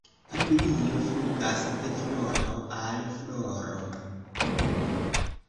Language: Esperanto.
Papilio flugas de floro al floro.